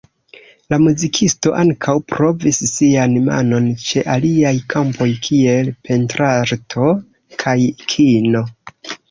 La muzikisto ankaŭ provis sian manon ĉe aliaj kampoj kiel pentrarto kaj kino.